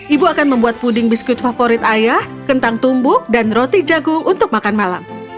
ibu akan membuat puding biskuit favorit ayah kentang tumbuk dan roti jagung untuk makan malam